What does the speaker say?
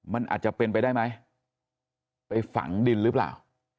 มันอาจจะเป็นไปได้ไหมไปฝังดินหรือเปล่า